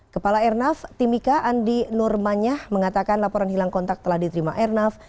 kepala airnav timika andi nur manyah mengatakan laporan hilang kontak telah diterima airnav